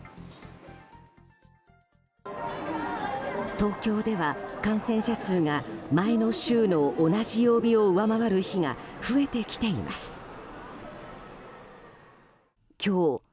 東京では感染者数が前の週の同じ曜日を上回る日が増えてきています。